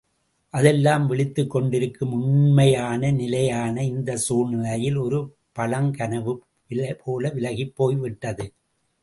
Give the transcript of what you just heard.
அதெல்லாம் விழித்துக் கொண்டிருக்கும் உண்மையான நிலையான இந்தச் சூழ்நிலையில் ஒரு பழங்கனவு போல விலகிப் போய் விட்டது.